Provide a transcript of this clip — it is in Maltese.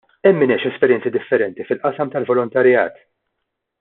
Hemm min għex esperjenzi differenti fil-qasam tal-volontarjat.